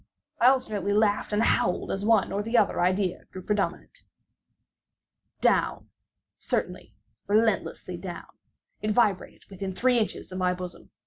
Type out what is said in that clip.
I alternately laughed and howled as the one or the other idea grew predominant. Down—certainly, relentlessly down! It vibrated within three inches of my bosom!